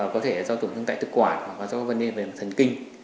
có thể do tổn thương tại thực quả hoặc do vấn đề về thần kinh